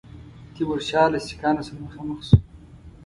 تیمورشاه له سیکهانو سره مخامخ شو.